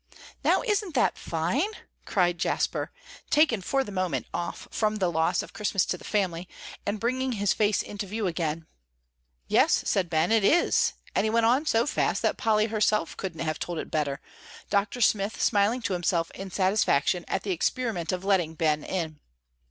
"Now isn't that fine?" cried Jasper, taken for the moment off from the loss of Christmas to the family, and bringing his face into view again. "Yes," said Ben, "it is," and he went on so fast that Polly herself couldn't have told it better, Dr. Smith smiling to himself in satisfaction at the experiment of letting Ben in.